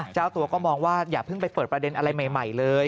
เจ้าตัวก็มองว่าอย่าเพิ่งไปเปิดประเด็นอะไรใหม่เลย